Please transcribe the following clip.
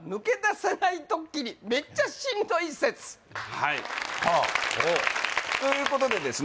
はいはあということでですね